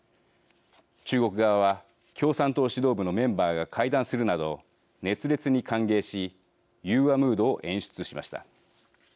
中国側は共産党指導部のメンバーが会談するなど熱烈に歓迎し融和ムードを演出しました。